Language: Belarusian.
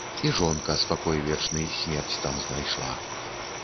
І жонка, спакой вечны, смерць там знайшла.